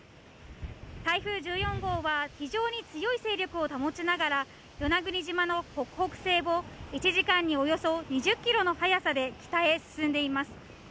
台風１４号は非常に強い勢力を保ちながら、与那国島の北北西を１時間におよそ２０キロの速さで北へ進んでいます。